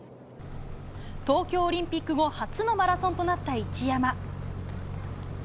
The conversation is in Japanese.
東京オリンピック後初のマラソンとなった一山。